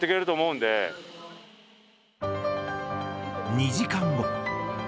２時間後。